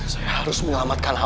saya harus menyelamatkan alham